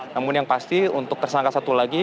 namun yang pasti untuk tersangka satu lagi